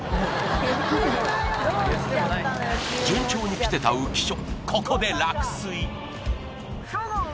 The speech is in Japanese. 順調に来てた浮所